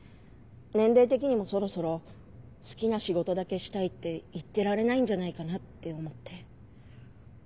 年齢的にもそろそろ好きな仕事だけしたいって言ってられないんじゃないかなって思って。